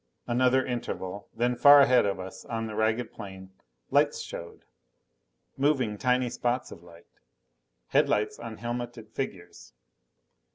Another interval. Then far ahead of us on the ragged plain, lights showed! Moving, tiny spots of light! Headlights on helmeted figures!